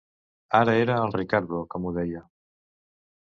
Ara era el Riccardo que m'ho deia.